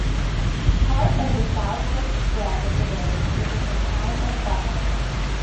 Part of the southward spread of the village is in the Town of Butler.